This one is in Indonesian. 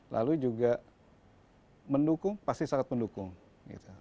lalu juga mendukung pasti sangat mendukung gitu